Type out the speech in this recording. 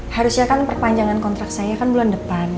harusnya kan perpanjangan kontrak saya kan bulan depan